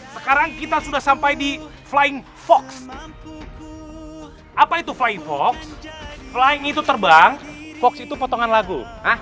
sekarang kita sudah sampai di flying fox apa itu flying hoax flying itu terbang hoax itu potongan lagu